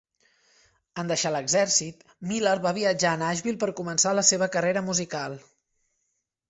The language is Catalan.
En deixar l'exèrcit, Miller va viatjar a Nashville per començar la seva carrera musical.